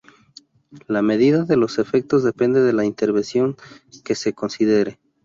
La medida de los efectos depende de la intervención que se considere.